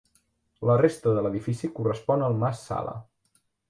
La resta de l'edifici correspon al mas Sala.